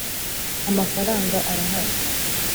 Amafaranga arahari.